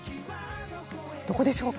どこでしょうか。